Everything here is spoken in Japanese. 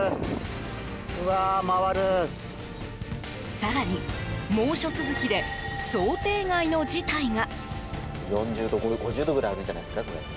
更に、猛暑続きで想定外の事態が。